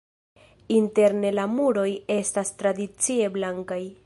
Interne la muroj estas tradicie blankaj.